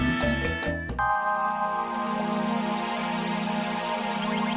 tentang ujung boreng lob